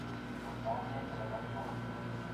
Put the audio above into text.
Montagne della California.